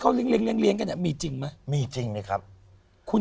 เขาเลี้ยงเลี้ยงเลี้ยงเลี้ยงกันเนี้ยมีจริงไหมมีจริงไหมครับคุณ